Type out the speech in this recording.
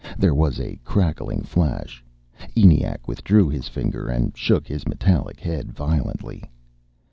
There was a crackling flash. ENIAC withdrew his finger and shook his metallic head violently.